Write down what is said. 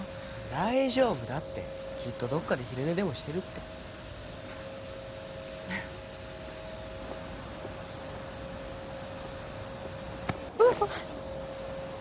大丈夫だってきっとどっかで昼寝でもしてるってうわっ！